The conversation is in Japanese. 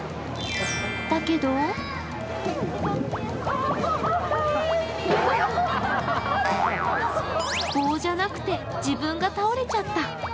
だけど棒じゃなくて自分が倒れちゃった。